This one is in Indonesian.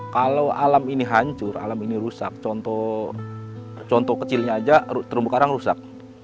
kalau alam ini hancur alam ini rusak contoh kecilnya aja terumbu karang rusak